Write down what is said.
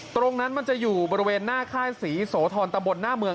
ตรงนั้นมันจะอยู่บริเวณหน้าค่ายศรีโสธรตะบนหน้าเมือง